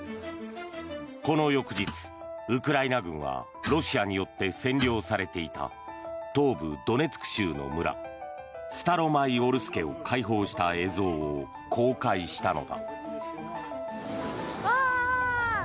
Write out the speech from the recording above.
この翌日、ウクライナ軍はロシアによって占領されていた東部ドネツク州の村スタロマイオルスケを解放した映像を公開したのだ。